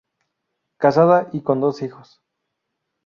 Casada y con dos hijos.